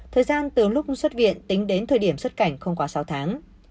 thời gian từ lúc xuất viện tính đến thời điểm xuất cảnh không quá sáu tháng